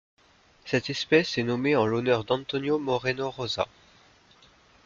Cette espèce est nommée en l'honneur d'Antonio Moreno Rosa.